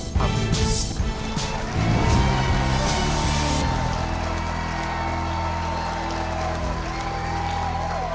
สวัสดีครับ